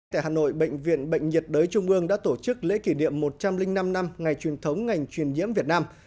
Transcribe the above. tại hà nội bệnh viện bệnh nhiệt đới trung ương đã tổ chức lễ kỷ niệm một trăm linh năm năm ngày truyền thống ngành truyền nhiễm việt nam